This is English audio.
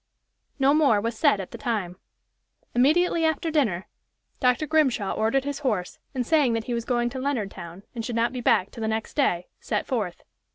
No more was said at the time. Immediately after dinner Dr. Grimshaw ordered his horse, and saying that he was going to Leonardtown and should not be back till the next day, set forth.